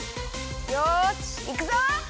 よしいくぞ！